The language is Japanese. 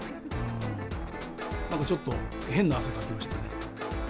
なんかちょっと、変な汗かきましたね。